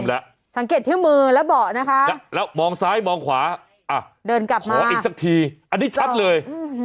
อะสังเกตที่มือและเบาะแล้วมองซ้ายมองขวาอีกทีแล้วอันนี้ชัดเลย